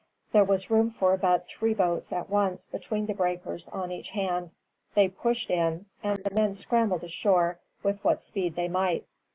There was room for but three boats at once between the breakers on each hand. They pushed in, and the men scrambled ashore with what speed they might.